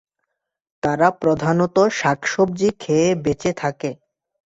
তারা প্রধানত শাক-সব্জি খেয়ে বেচে থাকে।